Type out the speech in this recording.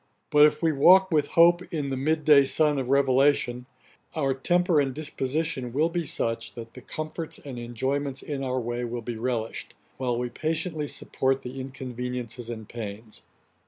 But if we walk with hope in 'the mid day sun' of revelation, our temper and disposition will be such, that the comforts and enjoyments in our way will be relished, while we patiently support the inconveniences and pains.